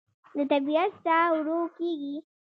د طبیعت ساه ورو کېږي